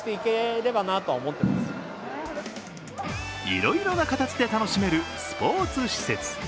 いろいろな形で楽しめるスポーツ施設。